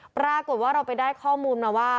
ปรากฏว่าเราไปได้ข้อมูลมาว่า